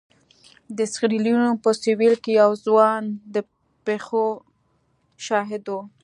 د سیریلیون په سوېل کې یو ځوان د پېښو شاهد و.